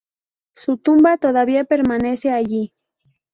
Su tumba todavía permanece allí.